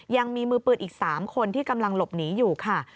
ยังมีมือปืนอีก๓คนที่กำลังหลบหนีอยู่ค่ะ